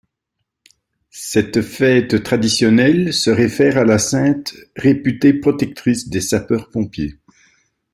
Cette fête traditionnelle se réfère à la sainte réputée protectrice des sapeurs-pompiers.